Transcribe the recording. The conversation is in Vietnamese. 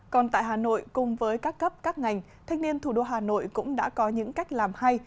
còn tại hà nội cùng với các cấp các ngành thanh niên thủ đô hà nội cũng đã có những cách làm hay